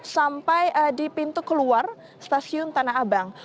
sampai di pintu keluar stasiun tanah abang